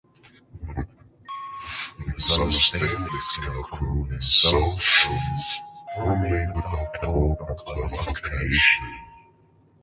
Misunderstandings can occur when assumptions are made without proper clarification.